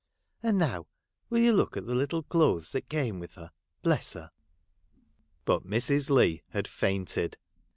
And now, will you look at the little clotLes that came with her — bless her !' But Mrs. Leigh had fainted.